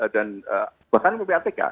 dan bahkan mprtk